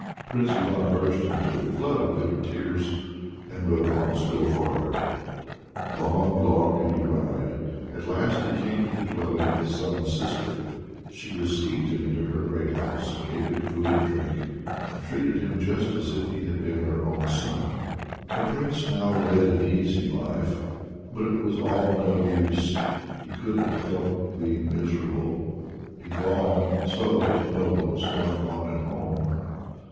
Prince Ivan burst into a flood of bitter tears, and rode on still farther. Long, long did he ride. At last he came to the dwelling of the Sun's Sister. She received him into her house, gave him food and drink, and treated him just as if he had been her own son. The prince now led an easy life. But it was all no use; he couldn't help being miserable. He longed so to know what was going on at home.